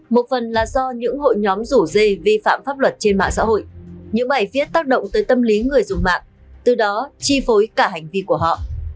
một phần là do những hội nhóm rủ dê vi phạm pháp luật trên mạng xã hội những bài viết tác động tới tâm lý người dùng mạng từ đó chi phối cả hành vi của họ